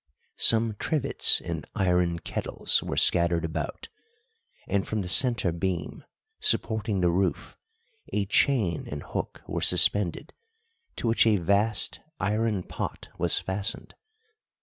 Some trivets and iron kettles were scattered about, and from the centre beam, supporting the roof, a chain and hook were suspended to which a vast iron pot was fastened.